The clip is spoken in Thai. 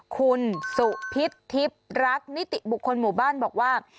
คุณสุพิษทิพย์รักนิติบุคคลหมู่บ้านบอกว่า